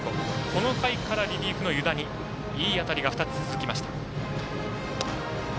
この回からリリーフの湯田にいい当たりが２つ、続きました。